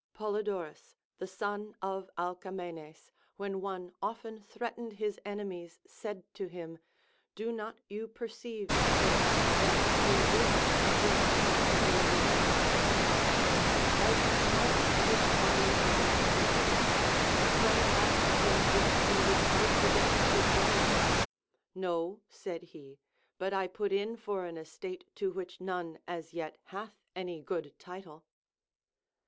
Polydorus the son of Alcamenes, when one often threat ened his enemies, said to him, Do not you perceive, sir, that you waste a great part of your revenge 1 As he marched his army against Messene, a friend asked him if he would fight against his brothers ] No, said he, but I put in for an estate to which none, as yet, hath any good title.